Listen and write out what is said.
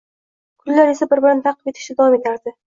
Kunlar esa bir-birini ta`qib etishda davom etardi